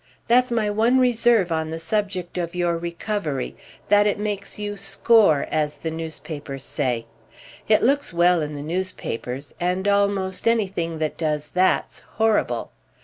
That's my one reserve on the subject of your recovery—that it makes you 'score,' as the newspapers say. It looks well in the newspapers, and almost anything that does that's horrible.